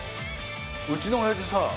うちのおやじさ